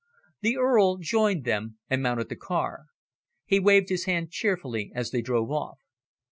The Earl joined them and mounted the car. He waved his hand cheerfully as they drove off.